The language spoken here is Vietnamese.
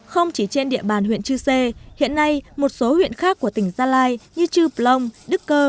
không chỉ trên địa bàn huyện chư sê hiện nay một số huyện khác của tỉnh gia lai như chư plong đức cơ